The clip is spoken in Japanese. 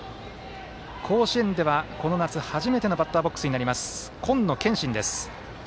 甲子園ではこの夏、初めてのバッターボックスになります今野憲伸です。